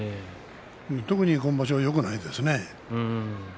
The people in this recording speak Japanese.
特に今場所よくないですね。